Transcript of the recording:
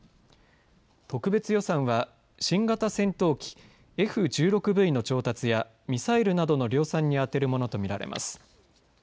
特別予算は新型戦闘機Ｆ１６Ｖの調達やミサイルなどの量産に充てるものと見られます。